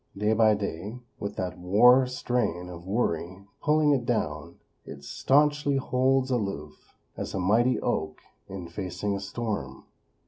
Day by day, with that war strain of worry pulling it down, it staunchly holds aloof, as a mighty oak in facing a storm.